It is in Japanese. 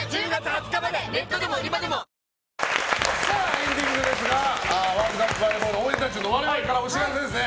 エンディングですがワールドカップバレーボール応援団長の我々からお知らせですね。